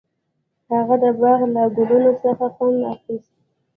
هغه د باغ له ګلونو څخه خوند اخیست.